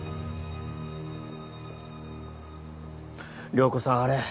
涼子さんあれ。